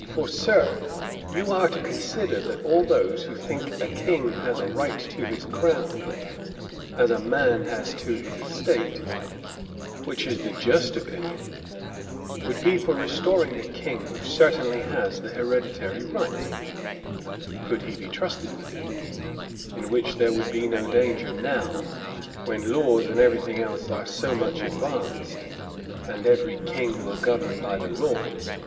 For, Sir, you are to consider, that all those who think a King has a right to his crown, as a man has to his estate, which is the just opinion, would be for restoring the King who certainly has the hereditary right, could he be trusted with it; in which there would be no danger now, when laws and every thing else are so much advanced: and every King will govern by the laws.